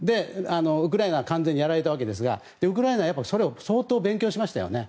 ウクライナが完全にやられたわけですがウクライナはそれを相当勉強しましたよね。